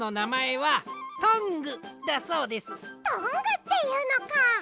トングっていうのか！